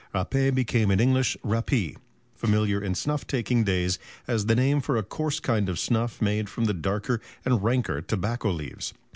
Râpé became in English "rappee," familiar in snuff taking days as the name for a coarse kind of snuff made from the darker and ranker tobacco leaves.